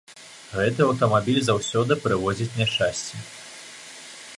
Гэты аўтамабіль заўсёды прывозіць няшчасце.